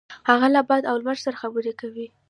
هغه له باد او لمر سره خبرې کوي.